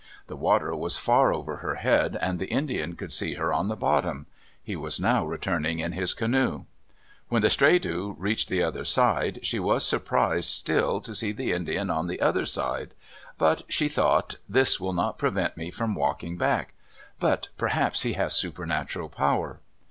The water was far over her head, and the Indian could see her on the bottom. He was now returning in his canoe. When the Stredu reached the other side, she was surprised still to see the Indian on the other side. But she thought, "This will not prevent me from walking back. But perhaps he has supernatural power."